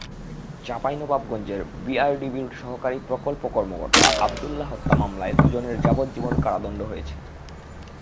চাঁপাইনবাবগঞ্জে বিআরডিবির সহকারী প্রকল্প কর্মকর্তা আবদুল্লাহ হত্যা মামলায় দুজনের যাবজ্জীবন কারাদণ্ড হয়েছে।